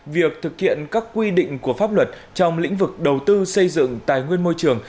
việc thực hiện các quy định của pháp luật trong lĩnh vực đầu tư xây dựng tài nguyên môi trường